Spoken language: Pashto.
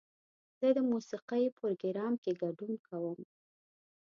زه د موسیقۍ پروګرام کې ګډون کوم.